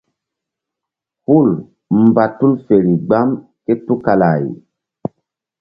Hul mba tul feri gbam ké tukala-ay.